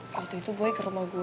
waktu itu gue ke rumah gue